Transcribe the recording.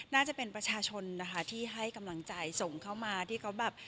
น่าจะเป็นประชาชนที่ให้กำลังใจส่งเข้ามา